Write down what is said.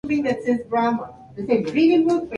Tiene su raíz fibrosa, mostrando largos y suaves pelos.